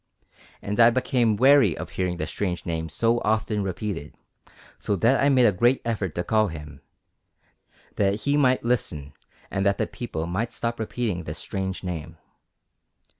And I became weary of hearing the strange name so very often repeated, so that I made a great effort to call him, that he might listen and that the people might stop repeating this strange name.